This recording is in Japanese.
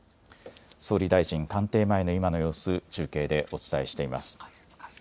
総理大臣官邸前の今の様子、中継でお伝えしています。